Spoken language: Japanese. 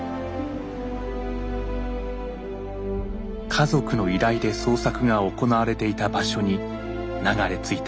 家族の依頼で捜索が行われていた場所に流れ着いた。